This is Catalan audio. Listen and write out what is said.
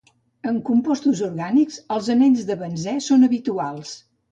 En compostos orgànics els anells de benzè són habituals.